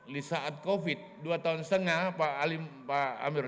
di saat covid dua tahun setengah pak alim pak amir